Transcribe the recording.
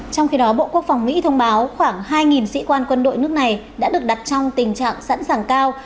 trong khi đó bộ quốc phòng mỹ thông báo khoảng hai sĩ quan quân đội nước này đã được đặt trong tình trạng sẵn sàng cao